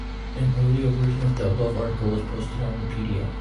An earlier version of the above article was posted on Nupedia.